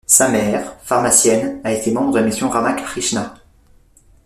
Sa mère, pharmacienne, a été membre de la Mission Ramakrishna.